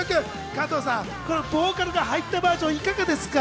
加藤さん、ボーカルが入ったバージョンはいかがですか？